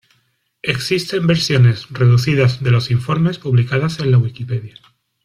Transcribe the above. Existen versiones reducidas de los informes publicadas en la Wikipedia.